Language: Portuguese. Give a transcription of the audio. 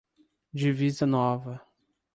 Divisa Nova